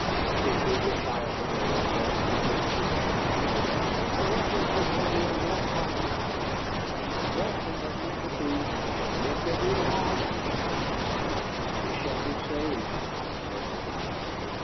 She drew the child away, lest he hurt me, and shuddered. "I reckon 'twas only a war party," she answered. "The rest is at McAfee's. And if they beat 'em off " she stopped abruptly. "We shall be saved," I said.